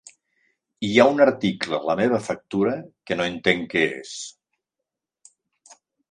Hi ha un article a la meva factura que no entenc què és.